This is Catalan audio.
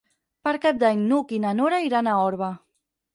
Per Cap d'Any n'Hug i na Nora iran a Orba.